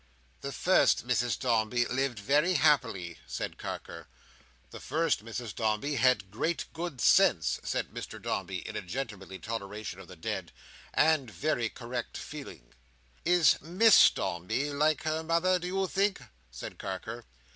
"The first Mrs Dombey lived very happily," said Carker. "The first Mrs Dombey had great good sense," said Mr Dombey, in a gentlemanly toleration of the dead, "and very correct feeling." "Is Miss Dombey like her mother, do you think?" said Carker.